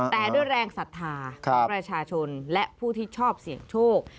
แต่ด้วยแรงศรัทธาของประชาชนและผู้ที่ชอบเสี่ยงโชค